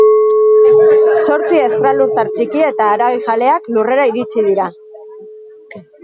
Zortzi estralurtar txiki eta haragijaleak Lurrera iritsi dira.